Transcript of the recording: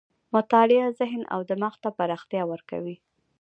مطالعه ذهن او دماغ ته پراختیا ورکوي.